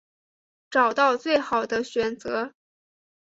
找到最好的选择